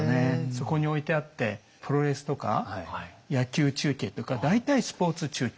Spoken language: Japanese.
そこに置いてあってプロレスとか野球中継とか大体スポーツ中継。